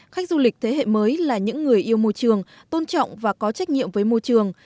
khách du lịch thế hệ mới là những người yêu môi trường tôn trọng và có trách nhiệm với môi trường